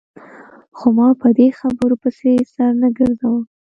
خو ما په دې خبرو پسې سر نه ګرځاوه.